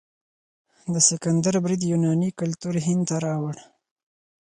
د سکندر برید یوناني کلتور هند ته راوړ.